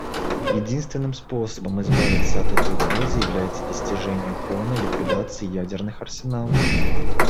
Единственным способом избавиться от этой угрозы является достижение полной ликвидации ядерных арсеналов.